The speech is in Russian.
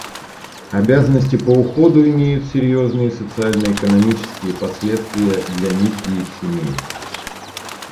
Обязанности по уходу имеют серьезные социально-экономические последствия для них и их семей.